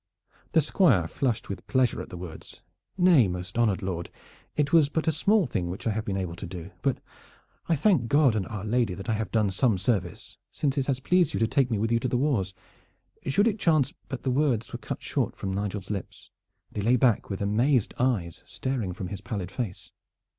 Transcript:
The Squire flushed with pleasure at the words. "Nay, most honored lord, it was but a small thing which I have been able to do. But I thank God and our Lady that I have done some service, since it has pleased you to take me with you to the wars. Should it chance " But the words were cut short upon Nigel's lips, and he lay back with amazed eyes staring from his pallid face.